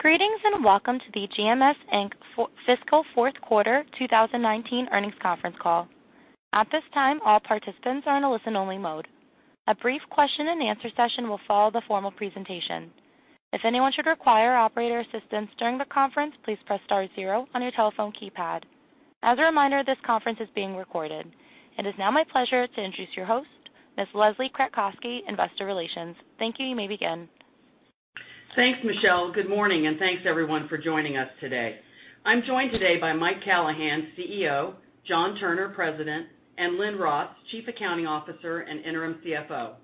Greetings and welcome to the GMS Inc. Fiscal Fourth Quarter 2019 Earnings Conference Call. At this time, all participants are in a listen-only mode. A brief question and answer session will follow the formal presentation. If anyone should require operator assistance during the conference, please press star zero on your telephone keypad. As a reminder, this conference is being recorded. It is now my pleasure to introduce your host, Ms. Leslie Kratcoski, investor relations. Thank you. You may begin. Thanks, Michelle. Good morning, and thanks, everyone, for joining us today. I am joined today by Mike Callahan, CEO, John Turner, President, and Lynn Ross, Chief Accounting Officer and Interim CFO.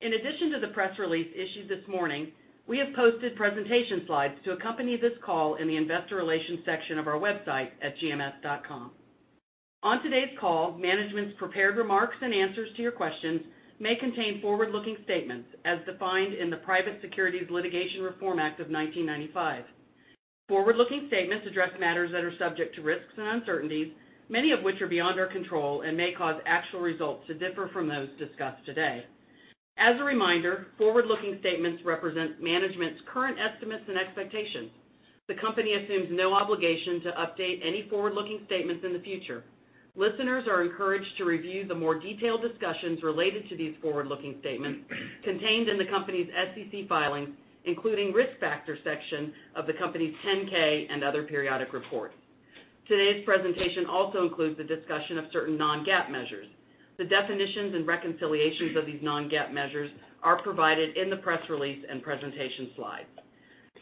In addition to the press release issued this morning, we have posted presentation slides to accompany this call in the investor relations section of our website at gms.com. On today's call, management's prepared remarks and answers to your questions may contain forward-looking statements as defined in the Private Securities Litigation Reform Act of 1995. Forward-looking statements address matters that are subject to risks and uncertainties, many of which are beyond our control and may cause actual results to differ from those discussed today. As a reminder, forward-looking statements represent management's current estimates and expectations. The company assumes no obligation to update any forward-looking statements in the future. Listeners are encouraged to review the more detailed discussions related to these forward-looking statements contained in the company's SEC filings, including Risk Factors section of the company's 10-K and other periodic reports. Today's presentation also includes a discussion of certain non-GAAP measures. The definitions and reconciliations of these non-GAAP measures are provided in the press release and presentation slides.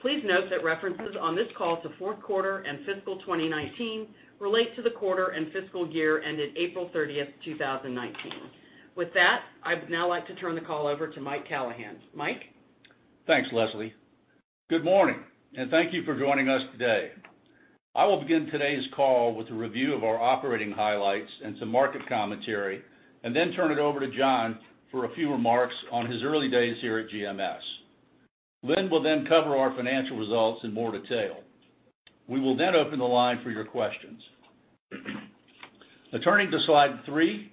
Please note that references on this call to fourth quarter and fiscal 2019 relate to the quarter and fiscal year ended April 30th, 2019. With that, I would now like to turn the call over to Mike Callahan. Mike? Thanks, Leslie. Good morning, and thank you for joining us today. I will begin today's call with a review of our operating highlights and some market commentary, and then turn it over to John for a few remarks on his early days here at GMS. Lynn will then cover our financial results in more detail. We will then open the line for your questions. Turning to slide three,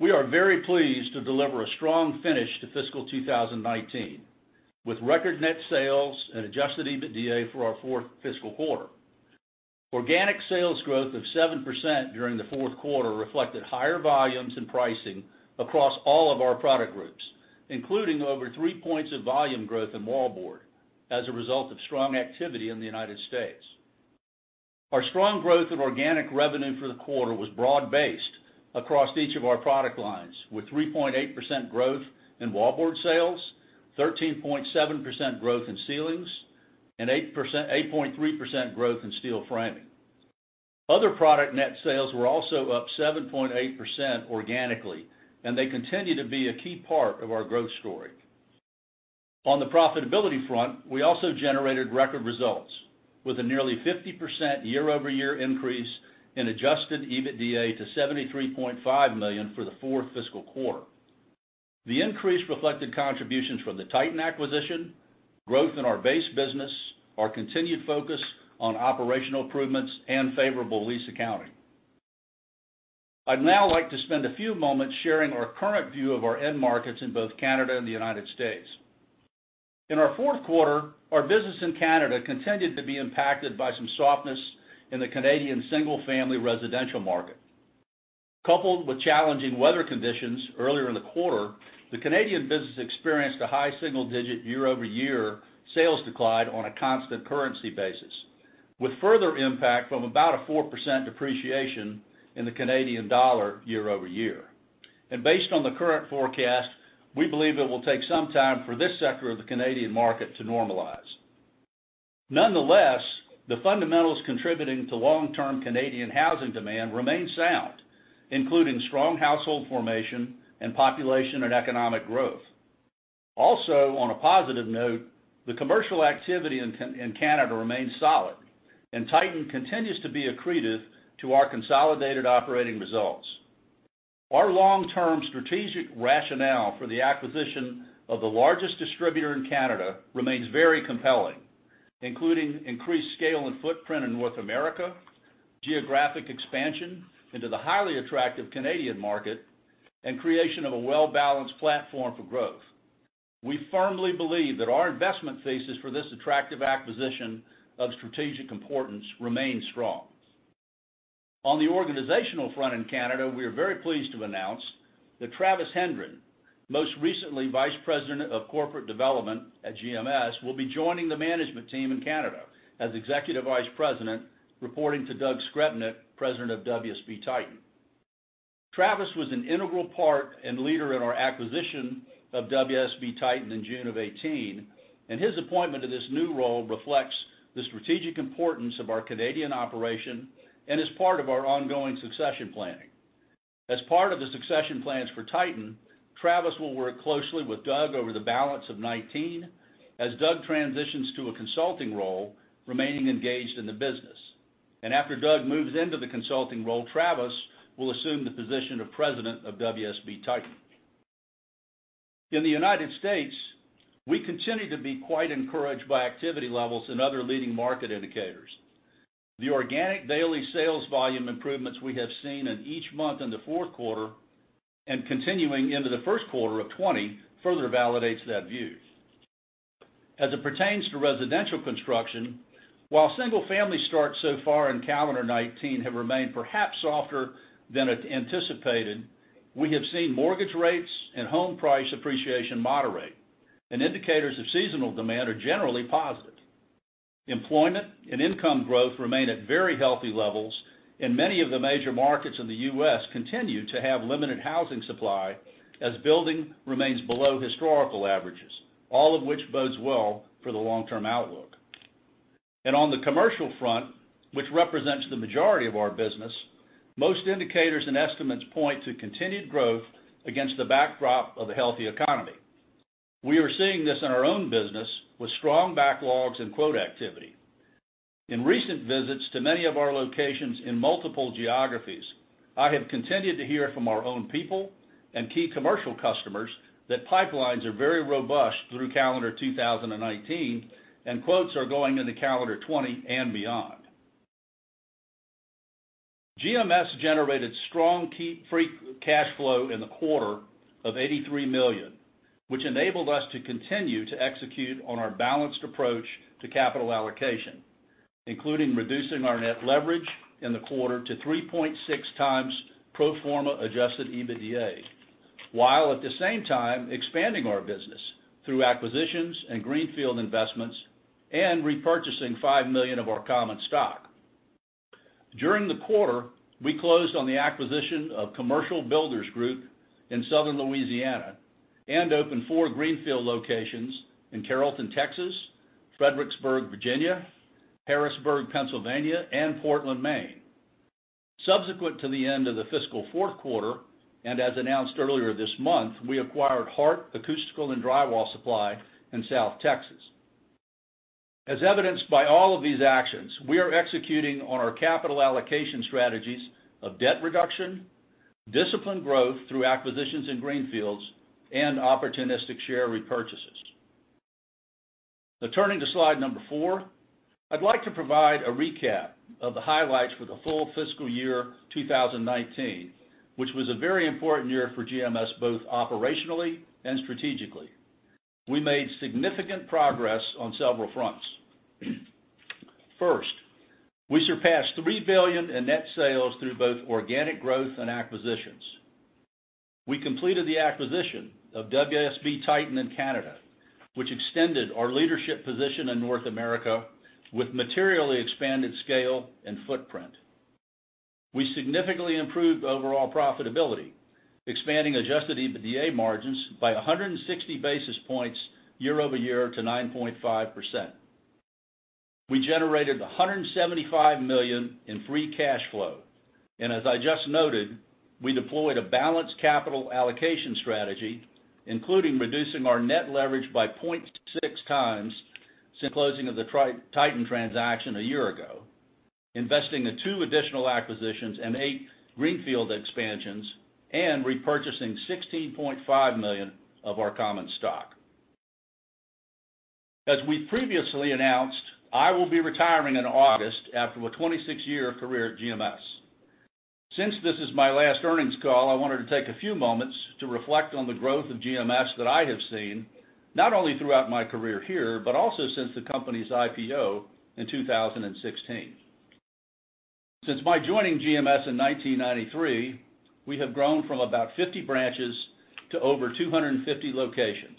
we are very pleased to deliver a strong finish to fiscal 2019, with record net sales and adjusted EBITDA for our fourth fiscal quarter. Organic sales growth of 7% during the fourth quarter reflected higher volumes and pricing across all of our product groups, including over three points of volume growth in wallboard as a result of strong activity in the United States. Our strong growth of organic revenue for the quarter was broad-based across each of our product lines, with 3.8% growth in wallboard sales, 13.7% growth in ceilings, and 8.3% growth in steel framing. Other product net sales were also up 7.8% organically, and they continue to be a key part of our growth story. On the profitability front, we also generated record results with a nearly 50% year-over-year increase in adjusted EBITDA to $73.5 million for the fourth fiscal quarter. The increase reflected contributions from the Titan acquisition, growth in our base business, our continued focus on operational improvements and favorable lease accounting. I would now like to spend a few moments sharing our current view of our end markets in both Canada and the United States. In our fourth quarter, our business in Canada continued to be impacted by some softness in the Canadian single-family residential market. Coupled with challenging weather conditions earlier in the quarter, the Canadian business experienced a high single digit year-over-year sales decline on a constant currency basis with further impact from about a 4% depreciation in the Canadian dollar year-over-year. Based on the current forecast, we believe it will take some time for this sector of the Canadian market to normalize. Nonetheless, the fundamentals contributing to long-term Canadian housing demand remain sound, including strong household formation and population and economic growth. On a positive note, the commercial activity in Canada remains solid, and Titan continues to be accretive to our consolidated operating results. Our long-term strategic rationale for the acquisition of the largest distributor in Canada remains very compelling, including increased scale and footprint in North America, geographic expansion into the highly attractive Canadian market, and creation of a well-balanced platform for growth. We firmly believe that our investment thesis for this attractive acquisition of strategic importance remains strong. On the organizational front in Canada, we are very pleased to announce that Travis Hendren, most recently Vice President of Corporate Development at GMS, will be joining the management team in Canada as Executive Vice President, reporting to Doug Skrepnek, President of WSB Titan. Travis was an integral part and leader in our acquisition of WSB Titan in June of 2018, and his appointment to this new role reflects the strategic importance of our Canadian operation and is part of our ongoing succession planning. As part of the succession plans for Titan, Travis will work closely with Doug over the balance of 2019 as Doug transitions to a consulting role, remaining engaged in the business. After Doug moves into the consulting role, Travis will assume the position of President of WSB Titan. In the United States, we continue to be quite encouraged by activity levels in other leading market indicators. The organic daily sales volume improvements we have seen in each month in the fourth quarter and continuing into the first quarter of 2020 further validates that view. As it pertains to residential construction, while single-family starts so far in calendar 2019 have remained perhaps softer than anticipated, we have seen mortgage rates and home price appreciation moderate, and indicators of seasonal demand are generally positive. Employment and income growth remain at very healthy levels, and many of the major markets in the U.S. continue to have limited housing supply as building remains below historical averages, all of which bodes well for the long-term outlook. On the commercial front, which represents the majority of our business, most indicators and estimates point to continued growth against the backdrop of a healthy economy. We are seeing this in our own business with strong backlogs and quote activity. In recent visits to many of our locations in multiple geographies, I have continued to hear from our own people and key commercial customers that pipelines are very robust through calendar 2019, and quotes are going into calendar 2020 and beyond. GMS generated strong free cash flow in the quarter of $83 million, which enabled us to continue to execute on our balanced approach to capital allocation, including reducing our net leverage in the quarter to 3.6x pro forma adjusted EBITDA, while at the same time expanding our business through acquisitions and greenfield investments and repurchasing $5 million of our common stock. During the quarter, we closed on the acquisition of Commercial Builders Group in Southern Louisiana and opened four greenfield locations in Carrollton, Texas, Fredericksburg, Virginia, Harrisburg, Pennsylvania, and Portland, Maine. Subsequent to the end of the fiscal fourth quarter, and as announced earlier this month, we acquired Hart Acoustical & Drywall Supply in South Texas. As evidenced by all of these actions, we are executing on our capital allocation strategies of debt reduction, disciplined growth through acquisitions in greenfields, and opportunistic share repurchases. Turning to slide number four, I'd like to provide a recap of the highlights for the full fiscal year 2019, which was a very important year for GMS, both operationally and strategically. We made significant progress on several fronts. First, we surpassed $3 billion in net sales through both organic growth and acquisitions. We completed the acquisition of WSB Titan in Canada, which extended our leadership position in North America with materially expanded scale and footprint. We significantly improved overall profitability, expanding adjusted EBITDA margins by 160 basis points year-over-year to 9.5%. We generated $175 million in free cash flow, and as I just noted, we deployed a balanced capital allocation strategy, including reducing our net leverage by 0.6x since closing of the Titan transaction a year ago, investing in two additional acquisitions and eight greenfield expansions, and repurchasing $16.5 million of our common stock. As we previously announced, I will be retiring in August after a 26-year career at GMS. Since this is my last earnings call, I wanted to take a few moments to reflect on the growth of GMS that I have seen, not only throughout my career here, but also since the company's IPO in 2016. Since my joining GMS in 1993, we have grown from about 50 branches to over 250 locations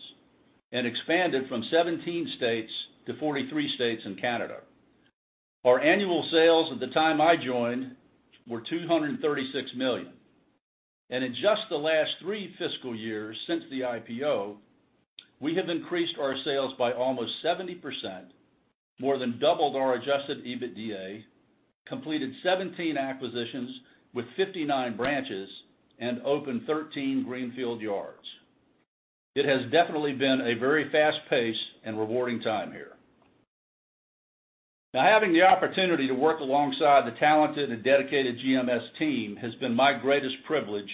and expanded from 17 states-43 states and Canada. Our annual sales at the time I joined were $236 million, and in just the last three fiscal years since the IPO, we have increased our sales by almost 70%, more than doubled our adjusted EBITDA, completed 17 acquisitions with 59 branches, and opened 13 greenfield yards. It has definitely been a very fast pace and rewarding time here. Having the opportunity to work alongside the talented and dedicated GMS team has been my greatest privilege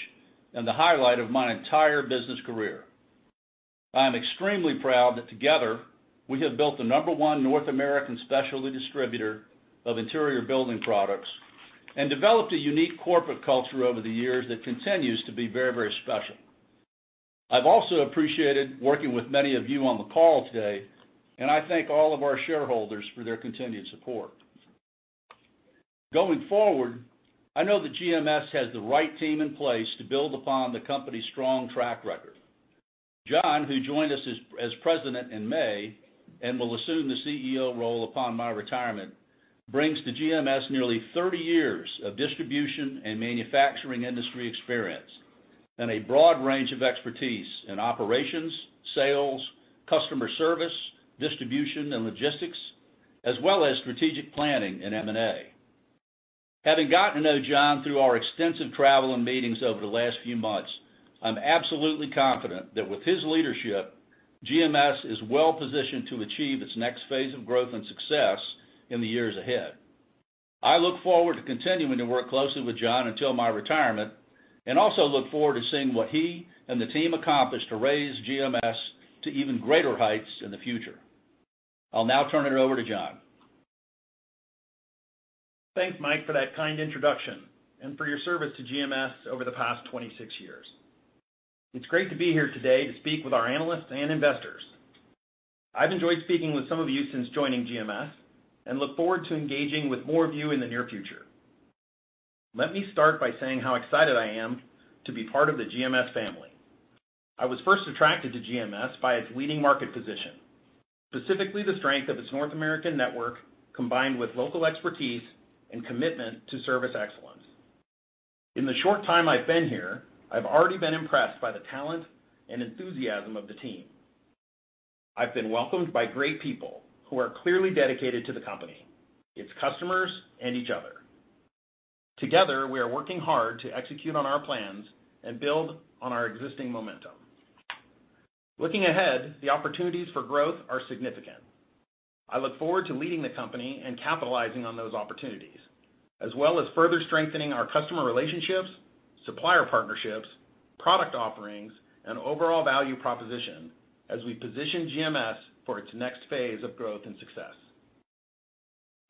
and the highlight of my entire business career. I am extremely proud that together we have built the number one North American specialty distributor of interior building products and developed a unique corporate culture over the years that continues to be very, very special. I've also appreciated working with many of you on the call today, and I thank all of our shareholders for their continued support. Going forward, I know that GMS has the right team in place to build upon the company's strong track record. John, who joined us as President in May and will assume the CEO role upon my retirement, brings to GMS nearly 30 years of distribution and manufacturing industry experience and a broad range of expertise in operations, sales, customer service, distribution, and logistics, as well as strategic planning and M&A. Having gotten to know John through our extensive travel and meetings over the last few months, I'm absolutely confident that with his leadership, GMS is well positioned to achieve its next phase of growth and success in the years ahead. I look forward to continuing to work closely with John until my retirement. I also look forward to seeing what he and the team accomplish to raise GMS to even greater heights in the future. I'll now turn it over to John. Thanks, Mike, for that kind introduction and for your service to GMS over the past 26 years. It's great to be here today to speak with our analysts and investors. I've enjoyed speaking with some of you since joining GMS and look forward to engaging with more of you in the near future. Let me start by saying how excited I am to be part of the GMS family. I was first attracted to GMS by its leading market position, specifically the strength of its North American network, combined with local expertise and commitment to service excellence. In the short time I've been here, I've already been impressed by the talent and enthusiasm of the team. I've been welcomed by great people who are clearly dedicated to the company, its customers, and each other. Together, we are working hard to execute on our plans and build on our existing momentum. Looking ahead, the opportunities for growth are significant. I look forward to leading the company and capitalizing on those opportunities, as well as further strengthening our customer relationships, supplier partnerships, product offerings, and overall value proposition as we position GMS for its next phase of growth and success.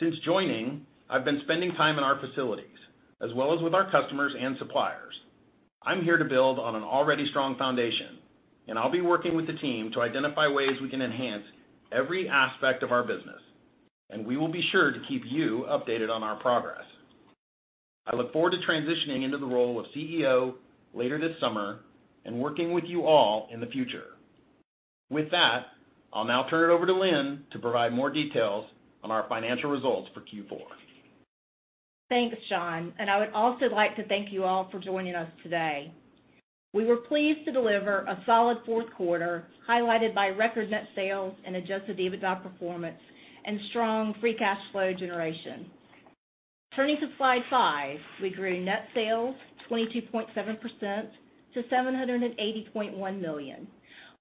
Since joining, I've been spending time in our facilities as well as with our customers and suppliers. I'm here to build on an already strong foundation, and I'll be working with the team to identify ways we can enhance every aspect of our business, and we will be sure to keep you updated on our progress. I look forward to transitioning into the role of CEO later this summer and working with you all in the future. With that, I'll now turn it over to Lynn to provide more details on our financial results for Q4. Thanks, John. I would also like to thank you all for joining us today. We were pleased to deliver a solid fourth quarter, highlighted by record net sales and adjusted EBITDA performance and strong free cash flow generation. Turning to slide five, we grew net sales 22.7% to $780.1 million.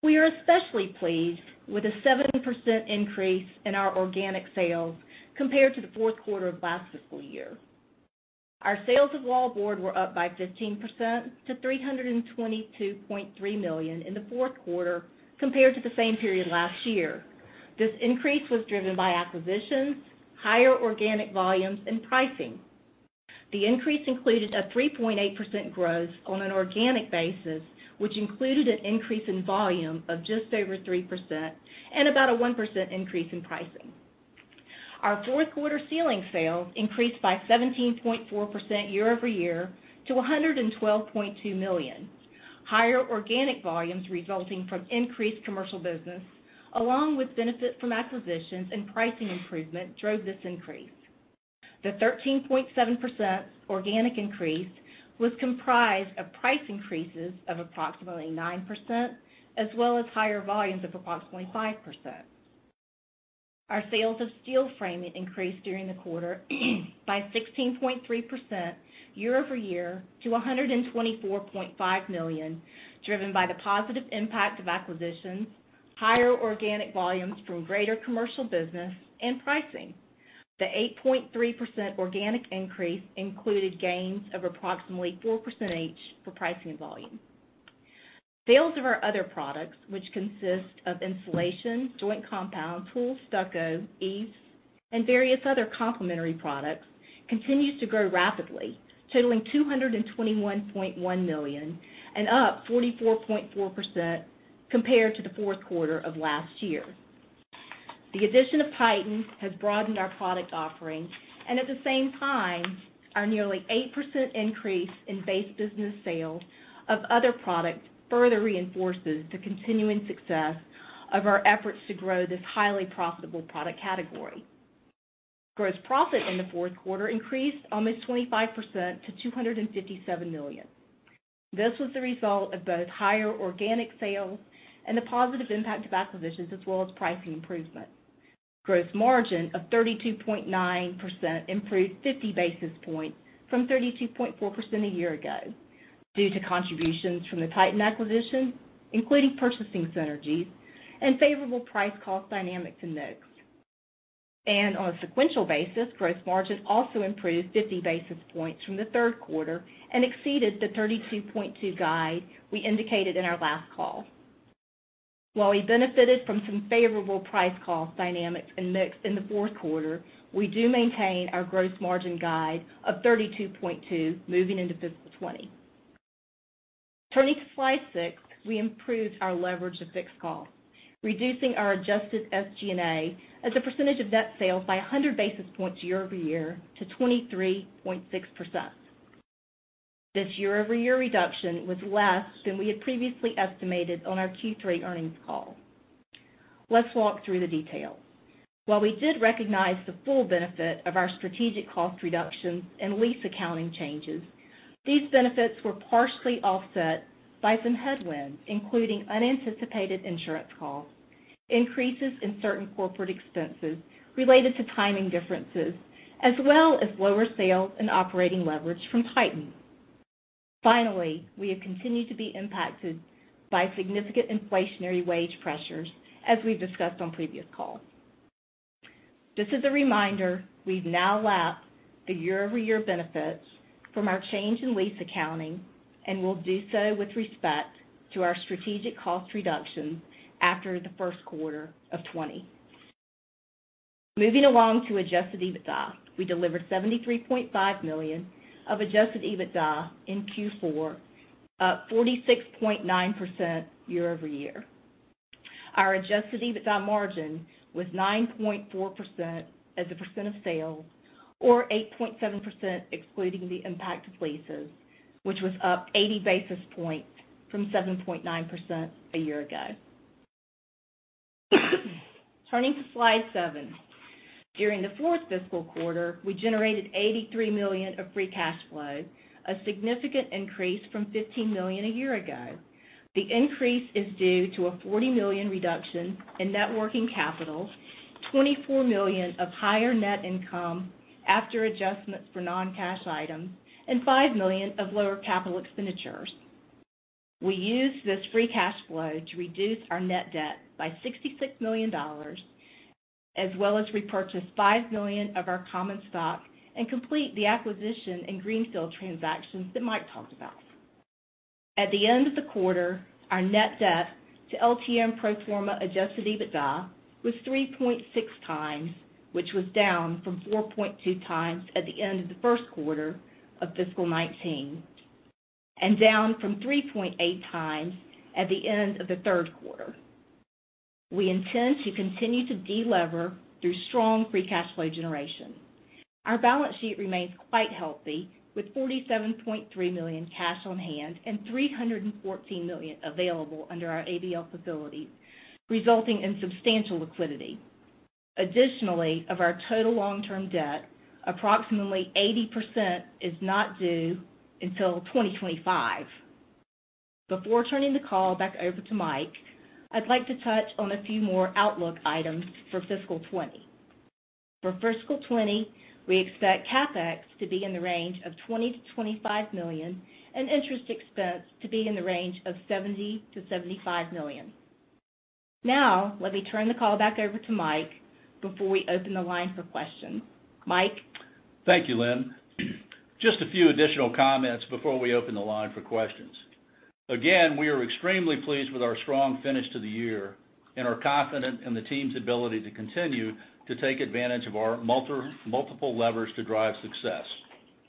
We are especially pleased with a 7% increase in our organic sales compared to the fourth quarter of last fiscal year. Our sales of wallboard were up by 15% to $322.3 million in the fourth quarter compared to the same period last year. This increase was driven by acquisitions, higher organic volumes, and pricing. The increase included a 3.8% growth on an organic basis, which included an increase in volume of just over 3% and about a 1% increase in pricing. Our fourth-quarter ceiling sales increased by 17.4% year-over-year to $112.2 million. Higher organic volumes resulting from increased commercial business, along with benefit from acquisitions and pricing improvement drove this increase. The 13.7% organic increase was comprised of price increases of approximately 9%, as well as higher volumes of approximately 5%. Our sales of steel framing increased during the quarter by 16.3% year-over-year to $124.5 million, driven by the positive impact of acquisitions, higher organic volumes from greater commercial business, and pricing. The 8.3% organic increase included gains of approximately 4% each for pricing volume. Sales of our other products, which consist of insulation, joint compound, tools, stucco, EIFS, and various other complementary products, continues to grow rapidly, totaling $221.1 million and up 44.4% compared to the fourth quarter of last year. The addition of Titan has broadened our product offering. At the same time, our nearly 8% increase in base business sales of other products further reinforces the continuing success of our efforts to grow this highly profitable product category. Gross profit in the fourth quarter increased almost 25% to $257 million. This was the result of both higher organic sales and the positive impact of acquisitions as well as pricing improvements. Gross margin of 32.9% improved 50 basis points from 32.4% a year ago due to contributions from the Titan acquisition, including purchasing synergies and favorable price cost dynamics in mix. On a sequential basis, gross margin also improved 50 basis points from the third quarter and exceeded the 32.2 guide we indicated in our last call. While we benefited from some favorable price cost dynamics in mix in the fourth quarter, we do maintain our gross margin guide of 32.2 moving into fiscal 2020. Turning to slide six, we improved our leverage of fixed costs, reducing our adjusted SG&A as a percentage of net sales by 100 basis points year-over-year to 23.6%. This year-over-year reduction was less than we had previously estimated on our Q3 earnings call. Let's walk through the details. While we did recognize the full benefit of our strategic cost reductions and lease accounting changes, these benefits were partially offset by some headwinds, including unanticipated insurance costs, increases in certain corporate expenses related to timing differences, as well as lower sales and operating leverage from Titan. Finally, we have continued to be impacted by significant inflationary wage pressures, as we've discussed on previous calls. Just as a reminder, we've now lapped the year-over-year benefits from our change in lease accounting and will do so with respect to our strategic cost reductions after the first quarter of 2020. Moving along to adjusted EBITDA, we delivered $73.5 million of adjusted EBITDA in Q4, up 46.9% year-over-year. Our adjusted EBITDA margin was 9.4% as a percent of sales, or 8.7% excluding the impact of leases, which was up 80 basis points from 7.9% a year ago. Turning to slide seven. During the fourth fiscal quarter, we generated $83 million of free cash flow, a significant increase from $15 million a year ago. The increase is due to a $40 million reduction in net working capital, $24 million of higher net income after adjustments for non-cash items, and $5 million of lower capital expenditures. We used this free cash flow to reduce our net debt by $66 million, as well as repurchase $5 million of our common stock and complete the acquisition in greenfield transactions that Mike talked about. At the end of the quarter, our net debt to LTM pro forma adjusted EBITDA was 3.6x, which was down from 4.2x at the end of the first quarter of fiscal 2019, and down from 3.8x at the end of the third quarter. We intend to continue to de-lever through strong free cash flow generation. Our balance sheet remains quite healthy, with $47.3 million cash on hand and $314 million available under our ABL facilities, resulting in substantial liquidity. Additionally, of our total long-term debt, approximately 80% is not due until 2025. Before turning the call back over to Mike, I'd like to touch on a few more outlook items for fiscal 2020. For fiscal 2020, we expect CapEx to be in the range of $20 million-$25 million, and interest expense to be in the range of $70 million-$75 million. Now, let me turn the call back over to Mike before we open the line for questions. Mike? Thank you, Lynn. Just a few additional comments before we open the line for questions. Again, we are extremely pleased with our strong finish to the year and are confident in the team's ability to continue to take advantage of our multiple levers to drive success: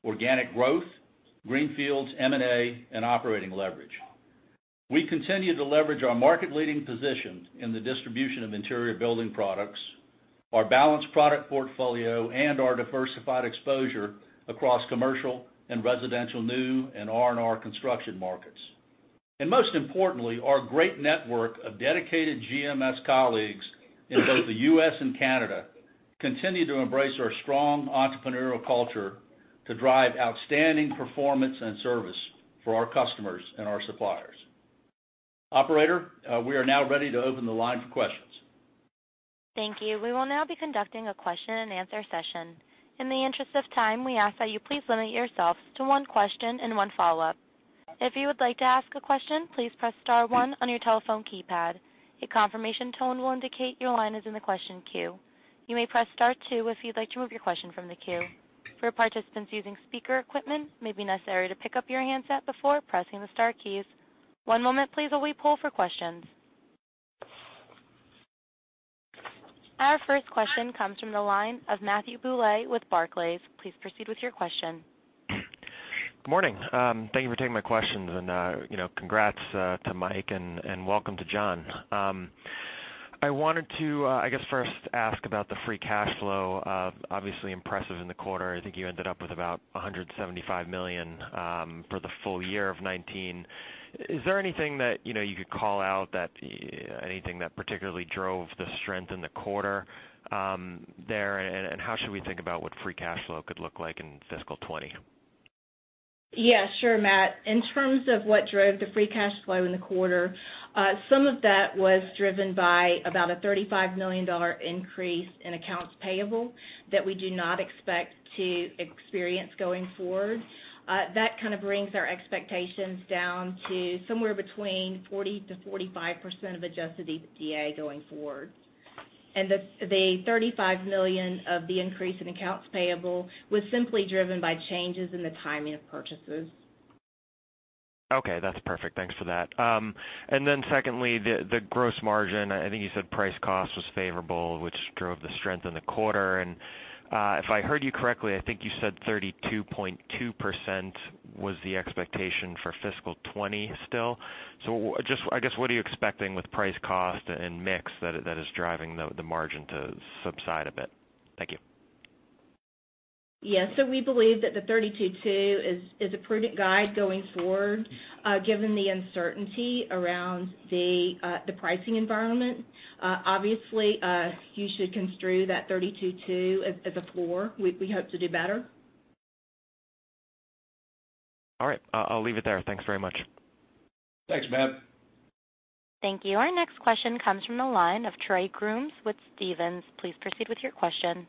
organic growth, greenfields, M&A, and operating leverage. We continue to leverage our market-leading position in the distribution of interior building products, our balanced product portfolio, and our diversified exposure across commercial and residential new and R&R construction markets. Most importantly, our great network of dedicated GMS colleagues in both the U.S. and Canada continue to embrace our strong entrepreneurial culture to drive outstanding performance and service for our customers and our suppliers. Operator, we are now ready to open the line for questions. Thank you. We will now be conducting a question and answer session. In the interest of time, we ask that you please limit yourselves to one question and one follow-up. If you would like to ask a question, please press star one on your telephone keypad. A confirmation tone will indicate your line is in the question queue. You may press star two if you'd like to remove your question from the queue. For participants using speaker equipment, it may be necessary to pick up your handset before pressing the star keys. One moment please while we poll for questions. Our first question comes from the line of Matthew Bouley with Barclays. Please proceed with your question. Good morning. Thank you for taking my questions, congrats to Mike and welcome to John. I wanted to first ask about the free cash flow, obviously impressive in the quarter. I think you ended up with about $175 million for the full year of 2019. Is there anything that you could call out, anything that particularly drove the strength in the quarter there, how should we think about what free cash flow could look like in fiscal 2020? Sure, Matt. In terms of what drove the free cash flow in the quarter, some of that was driven by about a $35 million increase in accounts payable that we do not expect to experience going forward. That kind of brings our expectations down to somewhere between 40%-45% of adjusted EBITDA going forward. The $35 million of the increase in accounts payable was simply driven by changes in the timing of purchases. Okay, that's perfect. Thanks for that. Secondly, the gross margin. I think you said price cost was favorable, which drove the strength in the quarter. If I heard you correctly, I think you said 32.2% was the expectation for fiscal 2020 still. What are you expecting with price cost and mix that is driving the margin to subside a bit? Thank you. Yeah. We believe that the 32.2% is a prudent guide going forward, given the uncertainty around the pricing environment. Obviously, you should construe that 32.2% as a floor. We hope to do better. All right. I'll leave it there. Thanks very much. Thanks, Matt. Thank you. Our next question comes from the line of Trey Grooms with Stephens. Please proceed with your question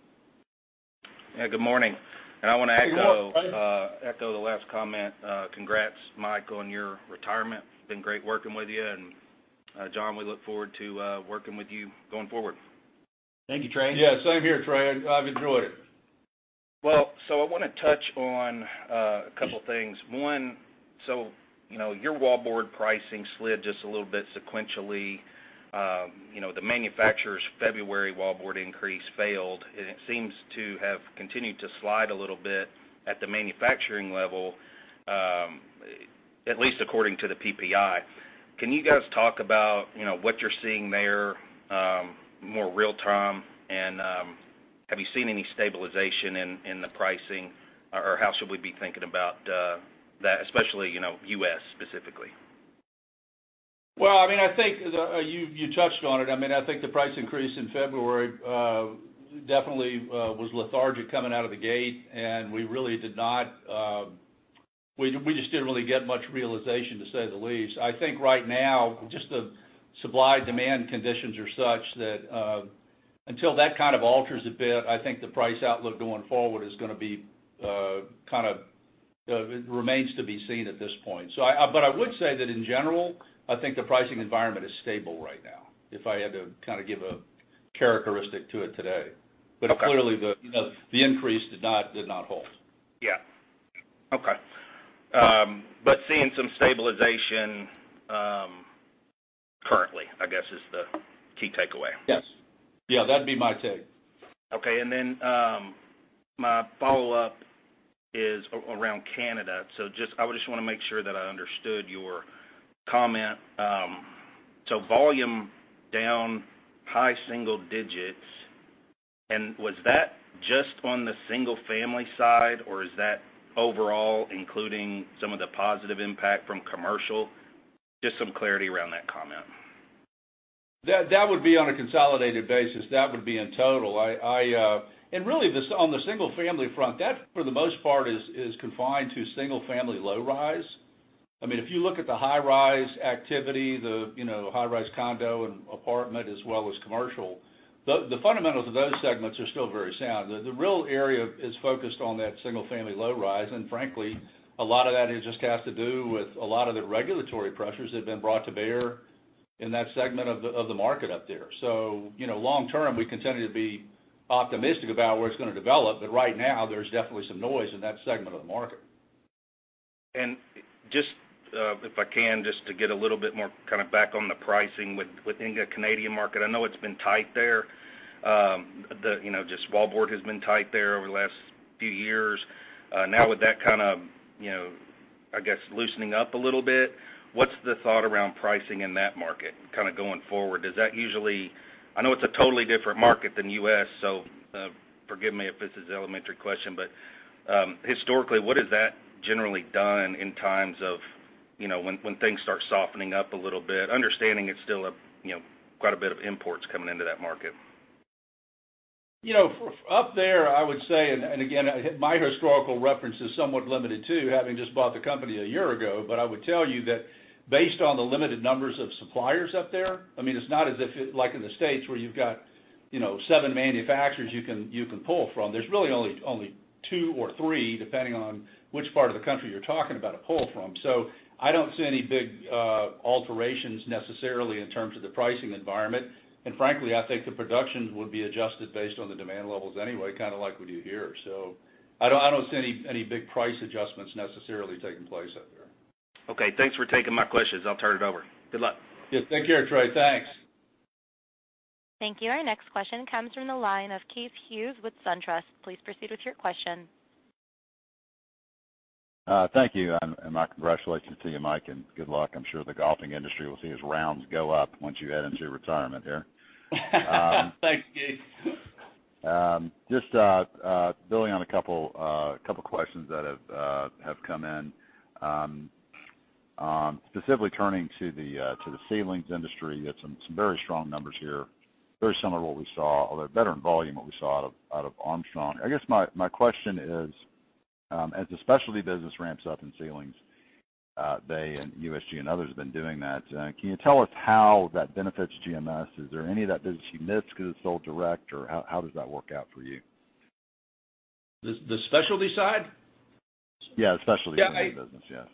Yeah. Good morning. I want to echo- Good morning, Trey. Echo the last comment. Congrats, Mike, on your retirement. It's been great working with you. John, we look forward to working with you going forward. Thank you, Trey. Yeah, same here, Trey. I've enjoyed it. I want to touch on a couple things. One, your wallboard pricing slid just a little bit sequentially. The manufacturer's February wallboard increase failed, and it seems to have continued to slide a little bit at the manufacturing level, at least according to the PPI. Can you guys talk about what you're seeing there more real-time, and have you seen any stabilization in the pricing, or how should we be thinking about that, especially U.S. specifically? I think you touched on it. I think the price increase in February definitely was lethargic coming out of the gate, and we just didn't really get much realization to say the least. I think right now, just the supply-demand conditions are such that until that kind of alters a bit, I think the price outlook going forward remains to be seen at this point. I would say that in general, I think the pricing environment is stable right now, if I had to kind of give a characteristic to it today. Okay. Clearly the increase did not hold. Yeah. Okay. Seeing some stabilization currently, I guess, is the key takeaway. Yes. Yeah, that'd be my take. Okay, then my follow-up is around Canada. I just want to make sure that I understood your comment. Volume down high single digits. Was that just on the single-family side, or is that overall including some of the positive impact from commercial? Just some clarity around that comment. That would be on a consolidated basis. That would be in total. Really on the single-family front, that for the most part is confined to single-family low-rise. If you look at the high-rise activity, the high-rise condo and apartment as well as commercial, the fundamentals of those segments are still very sound. The real area is focused on that single-family low-rise, and frankly, a lot of that has just to do with a lot of the regulatory pressures that have been brought to bear in that segment of the market up there. Long term, we continue to be optimistic about where it's going to develop. Right now, there's definitely some noise in that segment of the market. If I can, just to get a little bit more back on the pricing within the Canadian market, I know it's been tight there. Wallboard has been tight there over the last few years. With that loosening up a little bit, what's the thought around pricing in that market going forward? I know it's a totally different market than U.S., so forgive me if this is an elementary question, but historically, what has that generally done when things start softening up a little bit? Understanding it's still quite a bit of imports coming into that market. Up there, I would say, again, my historical reference is somewhat limited too, having just bought the company one year ago. I would tell you that based on the limited numbers of suppliers up there, it's not as if like in the States where you've got seven manufacturers you can pull from. There's really only two or three, depending on which part of the country you're talking about, to pull from. I don't see any big alterations necessarily in terms of the pricing environment. Frankly, I think the productions would be adjusted based on the demand levels anyway, like we do here. I don't see any big price adjustments necessarily taking place up there. Thanks for taking my questions. I'll turn it over. Good luck. Take care, Trey. Thanks. Thank you. Our next question comes from the line of Keith Hughes with SunTrust. Please proceed with your question. Thank you. My congratulations to you, Mike, and good luck. I'm sure the golfing industry will see his rounds go up once you head into retirement here. Thanks, Keith. Just building on a couple questions that have come in. Specifically turning to the ceilings industry, you had some very strong numbers here. Very similar to what we saw, although better in volume than what we saw out of Armstrong. I guess my question is, as the specialty business ramps up in ceilings, they and USG and others have been doing that, can you tell us how that benefits GMS? Is there any of that business you miss because it's sold direct, or how does that work out for you? The specialty side? The specialty side of the business..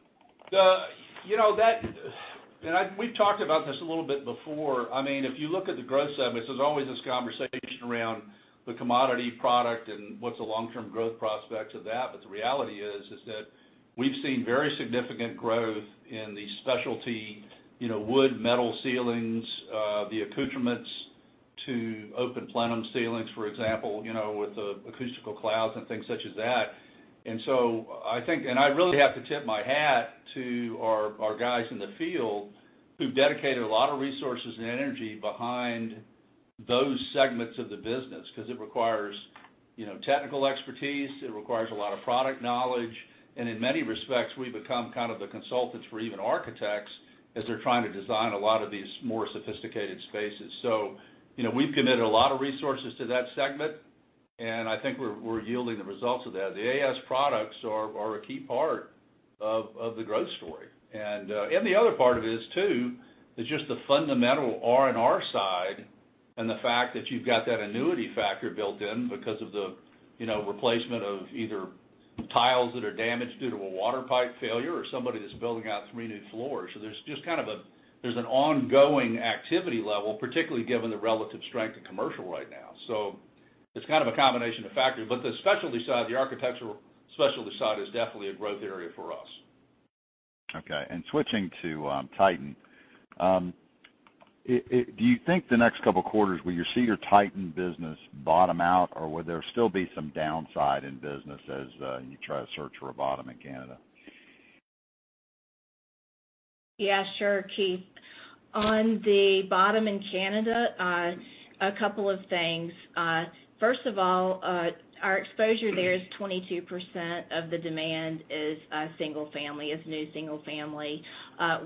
We've talked about this a little bit before. If you look at the growth segments, there's always this conversation around the commodity product and what's the long-term growth prospect of that. The reality is that we've seen very significant growth in the specialty wood, metal ceilings, the accoutrements to open plenum ceilings, for example, with the acoustical clouds and things such as that. I really have to tip my hat to our guys in the field who've dedicated a lot of resources and energy behind those segments of the business because it requires technical expertise. It requires a lot of product knowledge. In many respects, we've become kind of the consultants for even architects as they're trying to design a lot of these more sophisticated spaces. We've committed a lot of resources to that segment, and I think we're yielding the results of that. The A&S products are a key part of the growth story. The other part of it is too, is just the fundamental R&R side and the fact that you've got that annuity factor built in because of the replacement of either tiles that are damaged due to a water pipe failure or somebody that's building out three new floors. There's an ongoing activity level, particularly given the relative strength of commercial right now. It's kind of a combination of factors. The specialty side, the architectural specialty side, is definitely a growth area for us. Okay, switching to Titan. Do you think the next couple of quarters, will you see your Titan business bottom out, or will there still be some downside in business as you try to search for a bottom in Canada? Yeah, sure, Keith. On the bottom in Canada, a couple of things. First of all, our exposure there is 22% of the demand is single family, is new single family.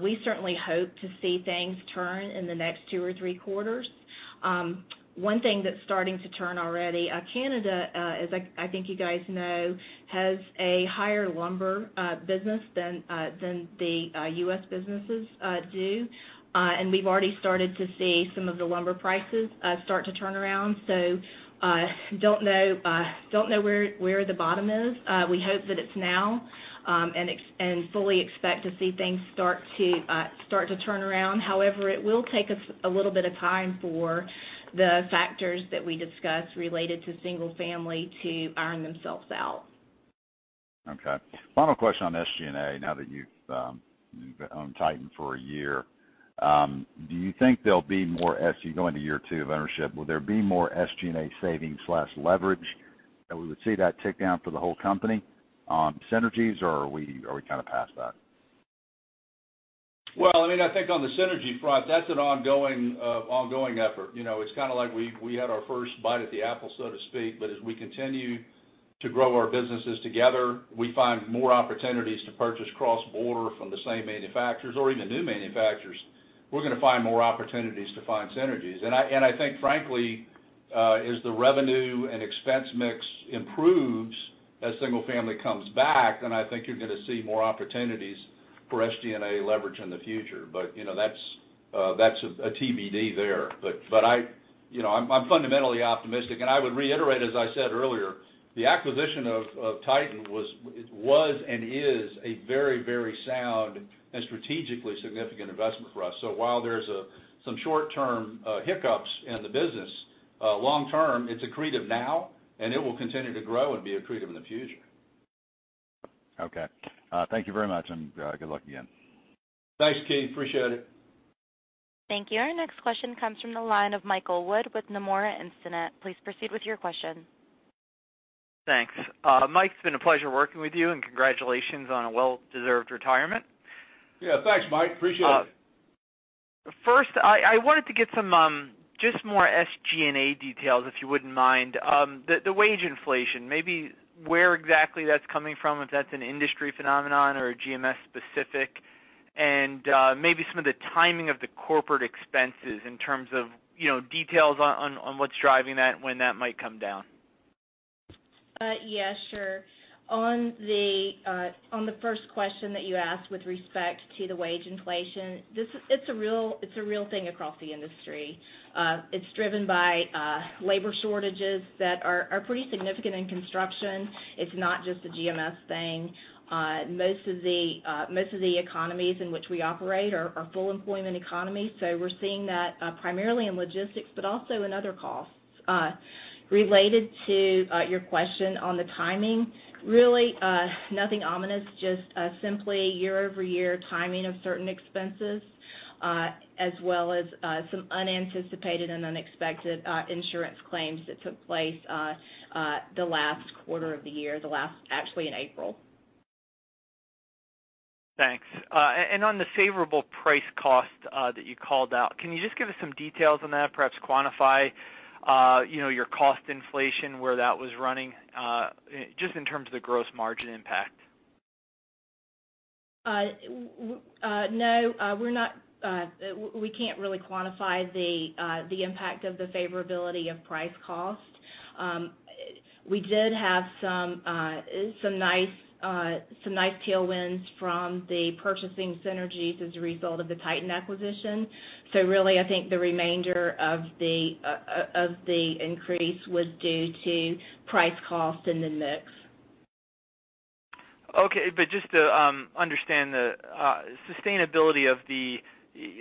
We certainly hope to see things turn in the next two or three quarters. One thing that's starting to turn already, Canada, as I think you guys know, has a higher lumber business than the U.S. businesses do. We've already started to see some of the lumber prices start to turn around. Don't know where the bottom is. We hope that it's now, and fully expect to see things start to turn around. However, it will take us a little bit of time for the factors that we discussed related to single family to iron themselves out. Okay. Final question on SG&A, now that you've owned Titan for a year. As you go into year two of ownership, will there be more SG&A savings/leverage that we would see that tick down for the whole company on synergies, or are we kind of past that? Well, I think on the synergy front, that's an ongoing effort. It's kind of like we had our first bite at the apple, so to speak. As we continue to grow our businesses together, we find more opportunities to purchase cross-border from the same manufacturers or even new manufacturers. We're going to find more opportunities to find synergies. I think frankly, as the revenue and expense mix improves, as single family comes back, I think you're going to see more opportunities for SG&A leverage in the future. That's a TBD there. I'm fundamentally optimistic, and I would reiterate, as I said earlier, the acquisition of Titan was and is a very, very sound and strategically significant investment for us. While there's some short-term hiccups in the business, long-term, it's accretive now and it will continue to grow and be accretive in the future. Okay. Thank you very much, and good luck again. Thanks, Keith. Appreciate it. Thank you. Our next question comes from the line of Michael Wood with Nomura Instinet. Please proceed with your question. Thanks. Mike, it's been a pleasure working with you, and congratulations on a well-deserved retirement. Yeah, thanks, Mike. Appreciate it. I wanted to get some just more SG&A details, if you wouldn't mind. The wage inflation, maybe where exactly that's coming from, if that's an industry phenomenon or GMS specific, and maybe some of the timing of the corporate expenses in terms of details on what's driving that and when that might come down. Yeah, sure. On the first question that you asked with respect to the wage inflation, it's a real thing across the industry. It's driven by labor shortages that are pretty significant in construction. It's not just a GMS thing. Most of the economies in which we operate are full employment economies. We're seeing that primarily in logistics, but also in other costs. Related to your question on the timing, really nothing ominous, just simply year-over-year timing of certain expenses as well as some unanticipated and unexpected insurance claims that took place the last quarter of the year, actually in April. Thanks. On the favorable price cost that you called out, can you just give us some details on that, perhaps quantify your cost inflation, where that was running, just in terms of the gross margin impact? No, we can't really quantify the impact of the favorability of price cost. We did have some nice tailwinds from the purchasing synergies as a result of the Titan acquisition. Really, I think the remainder of the increase was due to price cost and the mix. Okay, just to understand the sustainability of the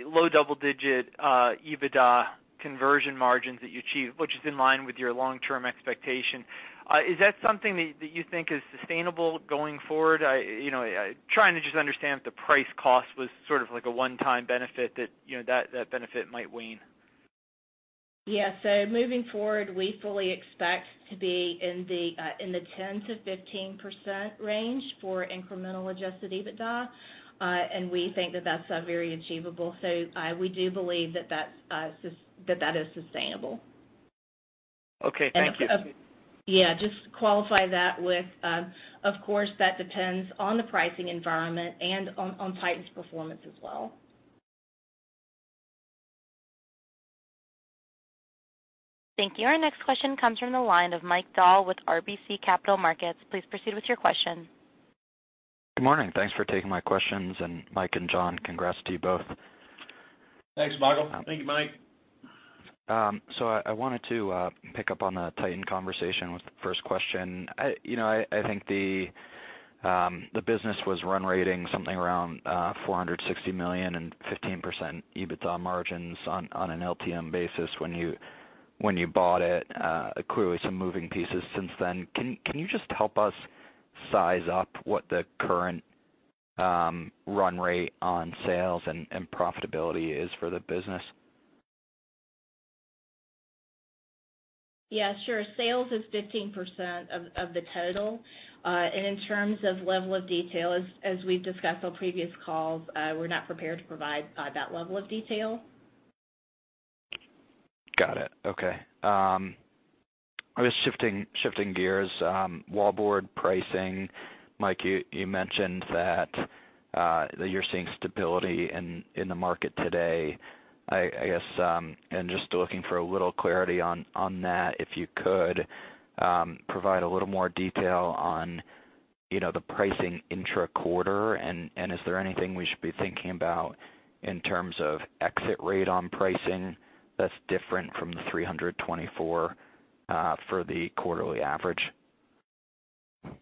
low double-digit EBITDA conversion margins that you achieve, which is in line with your long-term expectation, is that something that you think is sustainable going forward? Trying to just understand if the price cost was sort of like a one-time benefit that that benefit might wane. Yeah. Moving forward, we fully expect to be in the 10%-15% range for incremental adjusted EBITDA. We think that that's very achievable. We do believe that that is sustainable. Okay. Thank you. Yeah, just to qualify that with, of course, that depends on the pricing environment and on Titan's performance as well. Thank you. Our next question comes from the line of Mike Dahl with RBC Capital Markets. Please proceed with your question. Good morning. Thanks for taking my questions, and Mike and John, congrats to you both. Thanks, Michael. Thank you, Mike. I wanted to pick up on the Titan conversation with the first question. I think the business was run rating something around $460 million and 15% EBITDA margins on an LTM basis when you bought it. Clearly, some moving pieces since then. Can you just help us size up what the current run rate on sales and profitability is for the business? Sales is 15% of the total. In terms of level of detail, as we've discussed on previous calls, we're not prepared to provide that level of detail. Got it. Okay. I was shifting gears. Wallboard pricing. Mike, you mentioned that you're seeing stability in the market today. I guess, and just looking for a little clarity on that, if you could provide a little more detail on the pricing intra-quarter and is there anything we should be thinking about in terms of exit rate on pricing that's different from the 324 for the quarterly average? Not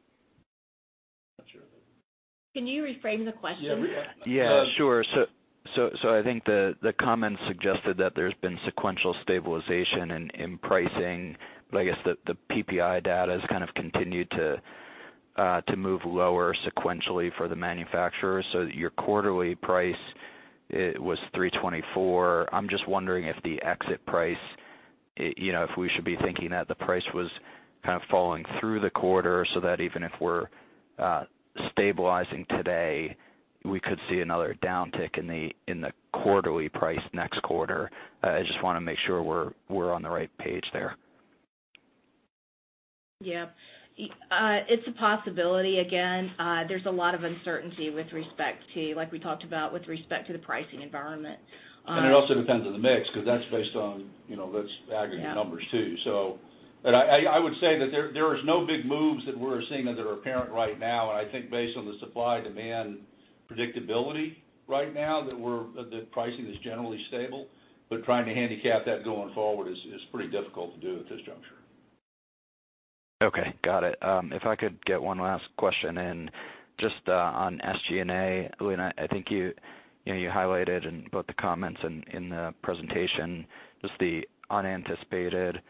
sure. Can you reframe the question? Yeah, sure. I think the comments suggested that there's been sequential stabilization in pricing, but I guess the PPI data has kind of continued to move lower sequentially for the manufacturers. Your quarterly price, it was 324. I'm just wondering if the exit price, if we should be thinking that the price was kind of falling through the quarter so that even if we're stabilizing today, we could see another downtick in the quarterly price next quarter. I just want to make sure we're on the right page there. Yeah. It's a possibility. Again, there's a lot of uncertainty with respect to, like we talked about, with respect to the pricing environment. It also depends on the mix because that's based on, that's aggregate numbers too. I would say that there is no big moves that we're seeing that are apparent right now, and I think based on the supply-demand predictability right now, that pricing is generally stable. Trying to handicap that going forward is pretty difficult to do at this juncture. Okay, got it. If I could get one last question in. Just on SG&A, Lynn, I think you highlighted in both the comments and in the presentation, just the unanticipated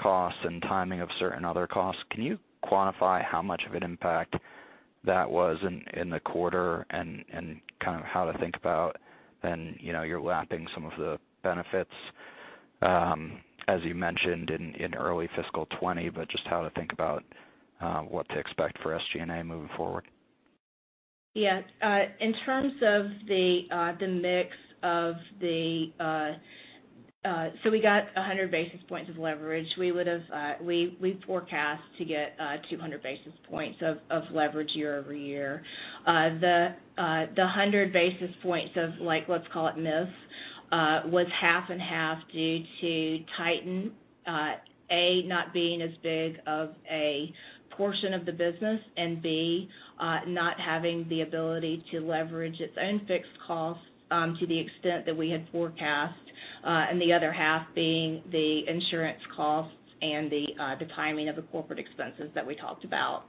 costs and timing of certain other costs. Can you quantify how much of an impact that was in the quarter, and kind of how to think about then you're lapping some of the benefits, as you mentioned, in early fiscal 2020, but just how to think about what to expect for SG&A moving forward? We got 100 basis points of leverage. We forecast to get 200 basis points of leverage year-over-year. The 100 basis points of let's call it miss, was half and half due to Titan, A, not being as big of a portion of the business, and B, not having the ability to leverage its own fixed costs to the extent that we had forecast, and the other half being the insurance costs and the timing of the corporate expenses that we talked about.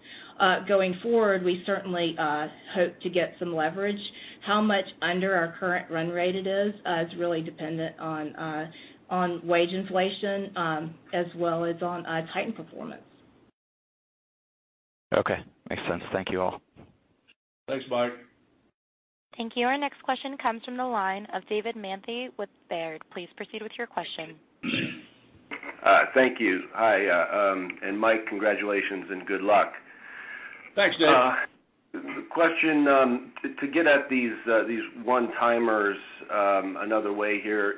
Going forward, we certainly hope to get some leverage. How much under our current run rate it is really dependent on wage inflation, as well as on Titan performance. Okay. Makes sense. Thank you all. Thanks, Mike. Thank you. Our next question comes from the line of David Manthey with Baird. Please proceed with your question. Thank you. Hi, and Mike, congratulations and good luck. Thanks, Dave. Question. To get at these one-timers another way here,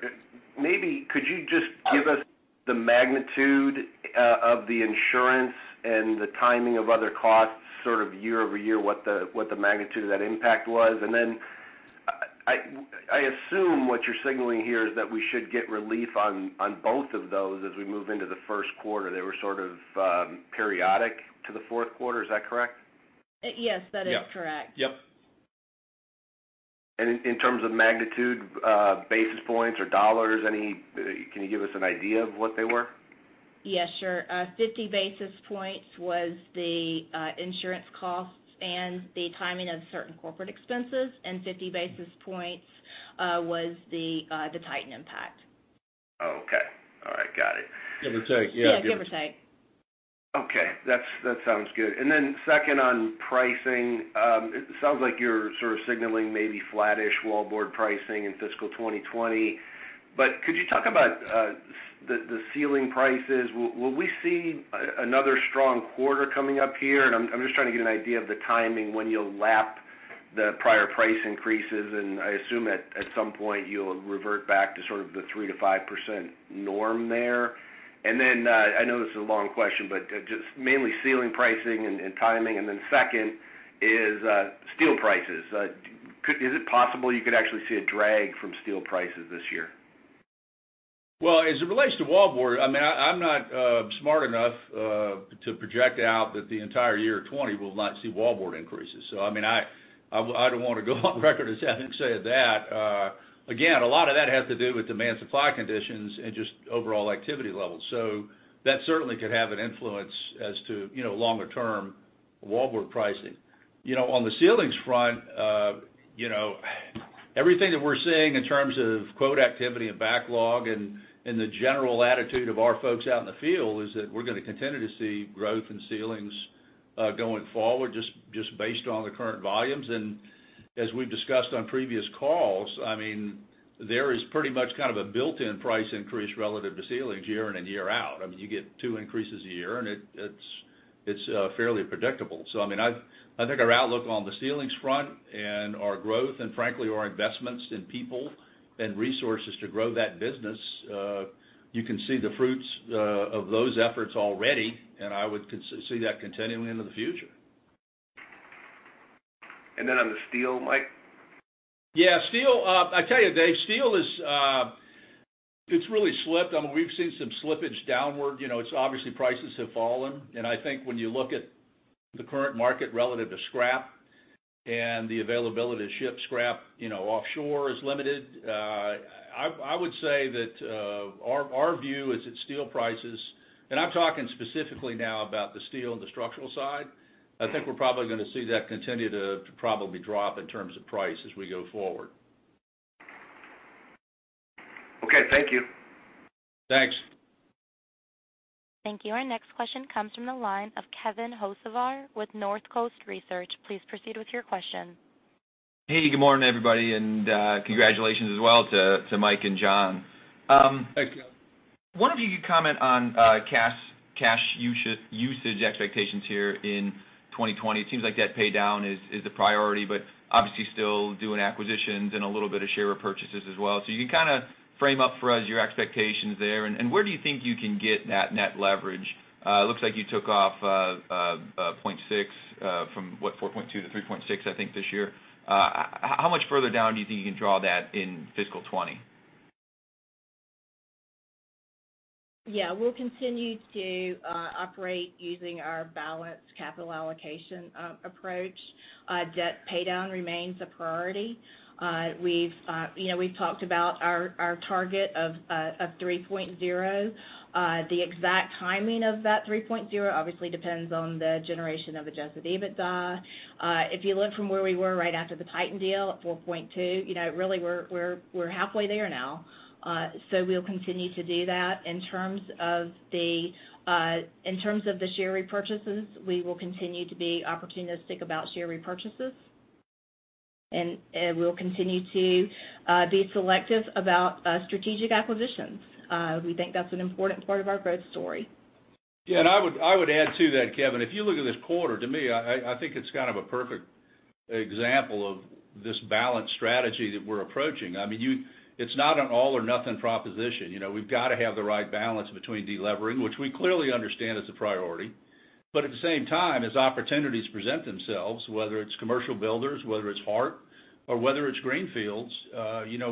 maybe could you just give us the magnitude of the insurance and the timing of other costs sort of year-over-year, what the magnitude of that impact was? Then I assume what you're signaling here is that we should get relief on both of those as we move into the first quarter. They were sort of periodic to the fourth quarter. Is that correct? Yes, that is correct. Yep. In terms of magnitude, basis points or dollars, can you give us an idea of what they were? Yeah, sure. 50 basis points was the insurance costs and the timing of certain corporate expenses, and 50 basis points was the Titan impact. Okay. All right, got it. Give or take, yeah. Yeah, give or take. Okay, that sounds good. Then second on pricing. It sounds like you're sort of signaling maybe flattish wallboard pricing in fiscal 2020. Could you talk about the ceiling prices? Will we see another strong quarter coming up here? I'm just trying to get an idea of the timing when you'll lap the prior price increases, and I assume at some point you'll revert back to sort of the 3%-5% norm there. Then, I know this is a long question, but just mainly ceiling pricing and timing, and then second is steel prices. Is it possible you could actually see a drag from steel prices this year? Well, as it relates to wallboard, I'm not smart enough to project out that the entire year of 2020 will not see wallboard increases. I don't want to go on record as having said that. Again, a lot of that has to do with demand, supply conditions, and just overall activity levels. That certainly could have an influence as to longer-term wallboard pricing. On the ceilings front, everything that we're seeing in terms of quote activity and backlog and the general attitude of our folks out in the field is that we're going to continue to see growth in ceilings going forward, just based on the current volumes. As we've discussed on previous calls, there is pretty much kind of a built-in price increase relative to ceilings year in and year out. You get two increases a year, and it's fairly predictable. I think our outlook on the ceilings front and our growth, and frankly our investments in people and resources to grow that business, you can see the fruits of those efforts already, and I would see that continuing into the future. Then on the steel, Mike? Yeah. Steel, I tell you, Dave, steel, it's really slipped. We've seen some slippage downward. Obviously prices have fallen, and I think when you look at the current market relative to scrap and the availability to ship scrap offshore is limited. I would say that our view is that steel prices, and I'm talking specifically now about the steel and the structural side, I think we're probably going to see that continue to probably drop in terms of price as we go forward. Okay. Thank you. Thanks. Thank you. Our next question comes from the line of Kevin Hocevar with Northcoast Research. Please proceed with your question. Hey, good morning, everybody, and congratulations as well to Mike and John. Thank you. One of you could comment on cash usage expectations here in 2020. It seems like debt paydown is the priority, but obviously still doing acquisitions and a little bit of share repurchases as well. You can kind of frame up for us your expectations there, and where do you think you can get that net leverage? It looks like you took off 0.6x from what, 4.2x to 3.6x, I think, this year. How much further down do you think you can draw that in FY 2020? We'll continue to operate using our balanced capital allocation approach. Debt paydown remains a priority. We've talked about our target of 3.0x. The exact timing of that 3.0x obviously depends on the generation of adjusted EBITDA. If you look from where we were right after the Titan deal at 4.2x, really we're halfway there now. We'll continue to do that. In terms of the share repurchases, we will continue to be opportunistic about share repurchases, and we'll continue to be selective about strategic acquisitions. We think that's an important part of our growth story. I would add to that, Kevin. If you look at this quarter, to me, I think it's kind of a perfect example of this balanced strategy that we're approaching. It's not an all or nothing proposition. We've got to have the right balance between de-levering, which we clearly understand is a priority. At the same time, as opportunities present themselves, whether it's Commercial Builders, whether it's Hart or whether it's greenfields,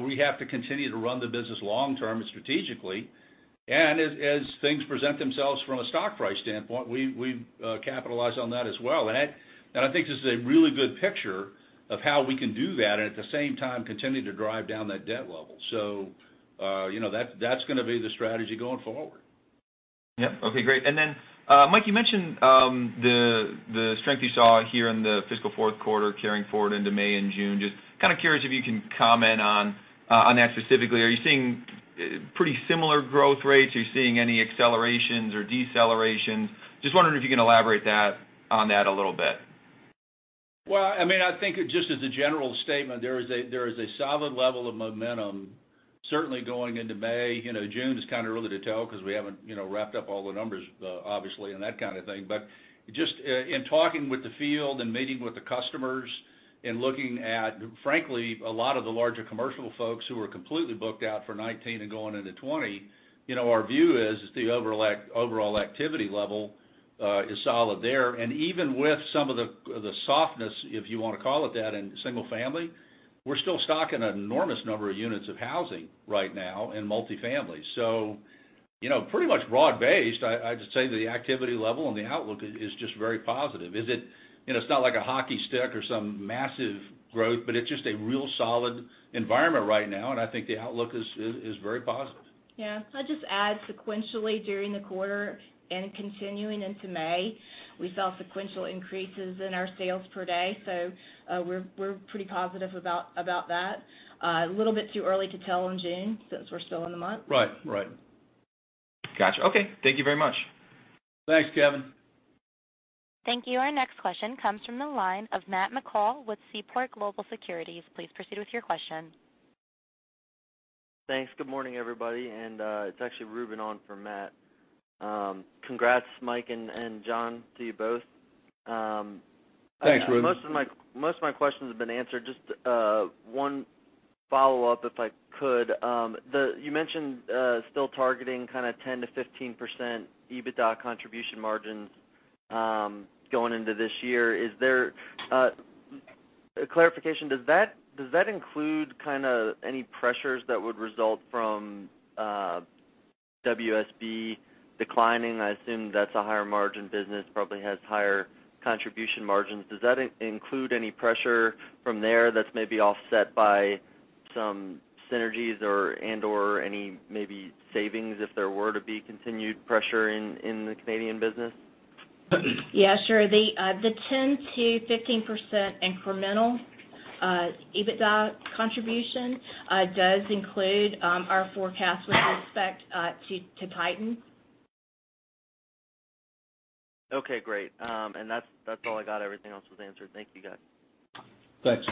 we have to continue to run the business long-term and strategically. As things present themselves from a stock price standpoint, we capitalize on that as well. I think this is a really good picture of how we can do that, and at the same time, continue to drive down that debt level. That's going to be the strategy going forward. Yep. Okay, great. Mike, you mentioned the strength you saw here in the fiscal fourth quarter carrying forward into May and June. Just kind of curious if you can comment on that specifically. Are you seeing pretty similar growth rates? Are you seeing any accelerations or decelerations? Just wondering if you can elaborate on that a little bit. Well, I think just as a general statement, there is a solid level of momentum certainly going into May. June is kind of early to tell because we haven't wrapped up all the numbers obviously, and that kind of thing. Just in talking with the field and meeting with the customers and looking at, frankly, a lot of the larger commercial folks who are completely booked out for 2019 and going into 2020, our view is the overall activity level is solid there. Even with some of the softness, if you want to call it that, in single family, we're still stocking an enormous number of units of housing right now in multifamily. Pretty much broad-based, I'd say the activity level and the outlook is just very positive. It's not like a hockey stick or some massive growth, but it's just a real solid environment right now, and I think the outlook is very positive. Yeah. I'd just add sequentially during the quarter and continuing into May, we saw sequential increases in our sales per day. We're pretty positive about that. A little bit too early to tell on June since we're still in the month. Right. Got you. Okay. Thank you very much. Thanks, Kevin. Thank you. Our next question comes from the line of Matt McCall with Seaport Global Securities. Please proceed with your question. Thanks. Good morning, everybody. It's actually Reuben on for Matt. Congrats, Mike and John, to you both. Thanks, Reuben. Most of my questions have been answered. Just one follow-up, if I could. You mentioned still targeting 10%-15% EBITDA contribution margins going into this year. A clarification, does that include any pressures that would result from WSB declining? I assume that's a higher margin business, probably has higher contribution margins. Does that include any pressure from there that's maybe offset by some synergies and/or any maybe savings if there were to be continued pressure in the Canadian business? Yeah, sure. The 10%-15% incremental EBITDA contribution does include our forecast with respect to Titan. Okay, great. That's all I got. Everything else was answered. Thank you, guys. Thanks.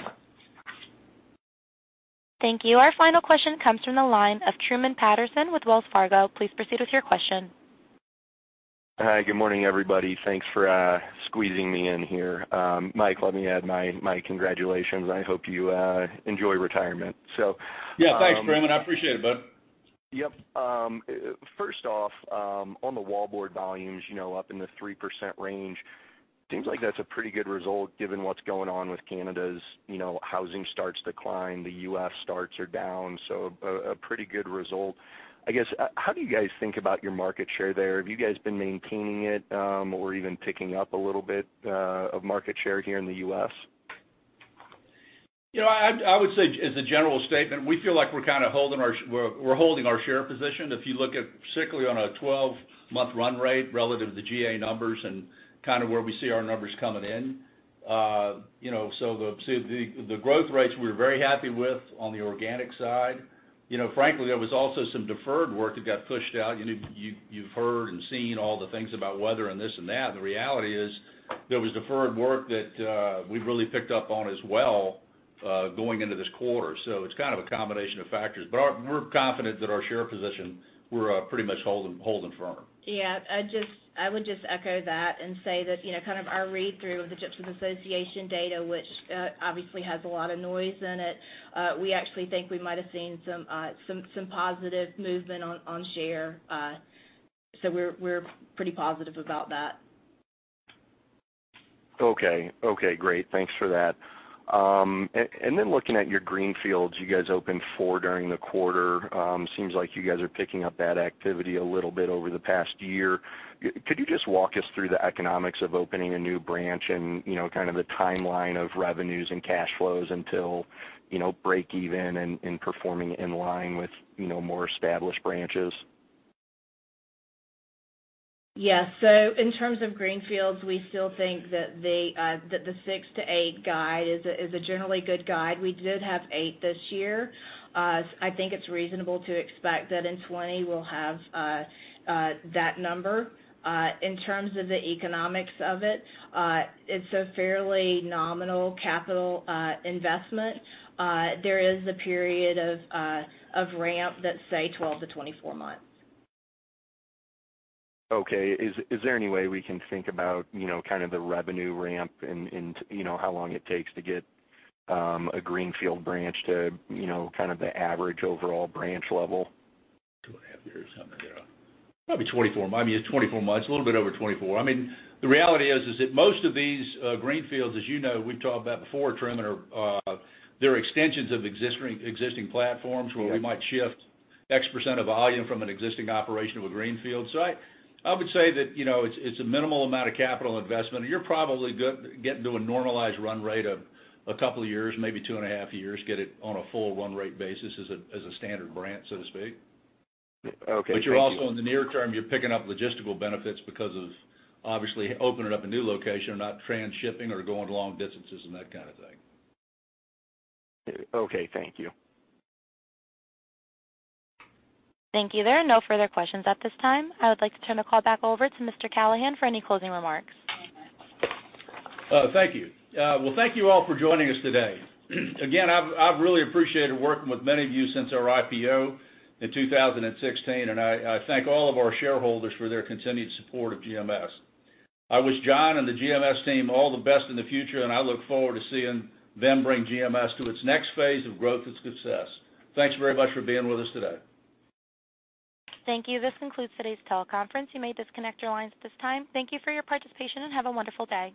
Thank you. Our final question comes from the line of Truman Patterson with Wells Fargo. Please proceed with your question. Hi. Good morning, everybody. Thanks for squeezing me in here. Mike, let me add my congratulations. I hope you enjoy retirement. Yeah, thanks, Truman. I appreciate it, bud. Yep. First off, on the wallboard volumes up in the 3% range, seems like that's a pretty good result given what's going on with Canada's housing starts decline, the U.S. starts are down, a pretty good result. I guess, how do you guys think about your market share there? Have you guys been maintaining it, or even picking up a little bit of market share here in the U.S.? I would say, as a general statement, we feel like we're holding our share position. If you look at particularly on a 12-month run rate relative to the GA numbers and kind of where we see our numbers coming in. The growth rates we're very happy with on the organic side. Frankly, there was also some deferred work that got pushed out. You've heard and seen all the things about weather and this and that. The reality is there was deferred work that we really picked up on as well, going into this quarter. It's kind of a combination of factors, but we're confident that our share position, we're pretty much holding firm. Yeah. I would just echo that and say that kind of our read through of the Gypsum Association data, which obviously has a lot of noise in it, we actually think we might have seen some positive movement on share. We're pretty positive about that. Okay. Great. Thanks for that. Looking at your greenfields, you guys opened four during the quarter. Seems like you guys are picking up that activity a little bit over the past year. Could you just walk us through the economics of opening a new branch and kind of the timeline of revenues and cash flows until breakeven and performing in line with more established branches? Yeah. In terms of greenfields, we still think that the six-eight guide is a generally good guide. We did have eight this year. I think it's reasonable to expect that in 2020 we'll have that number. In terms of the economics of it's a fairly nominal capital investment. There is a period of ramp that's, say, 12-24 months. Okay. Is there any way we can think about kind of the revenue ramp and how long it takes to get a greenfield branch to kind of the average overall branch level? 2.5 years, something like that. Probably 24. I mean, it's 24 months, a little bit over 24. The reality is that most of these greenfields, as you know, we've talked about before, Truman, they're extensions of existing platforms where we might shift X% of volume from an existing operation of a greenfield site. I would say that it's a minimal amount of capital investment, and you're probably getting to a normalized run rate of a couple of years, maybe two and a half years, get it on a full run rate basis as a standard branch, so to speak. Okay. Thank you. You're also in the near term, you're picking up logistical benefits because of obviously opening up a new location or not transshipping or going long distances and that kind of thing. Okay, thank you. Thank you. There are no further questions at this time. I would like to turn the call back over to Mr. Callahan for any closing remarks. Thank you. Well, thank you all for joining us today. Again, I've really appreciated working with many of you since our IPO in 2016, and I thank all of our shareholders for their continued support of GMS. I wish John and the GMS team all the best in the future, and I look forward to seeing them bring GMS to its next phase of growth and success. Thanks very much for being with us today. Thank you. This concludes today's teleconference. You may disconnect your lines at this time. Thank you for your participation and have a wonderful day.